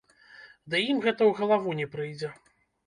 Ды ім гэта ў галаву не прыйдзе!